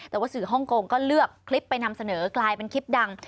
แต่ว่าสื่อฮ่องกงก็เลือกคลิปไปนำเสนอกลายเป็นคลิปดัง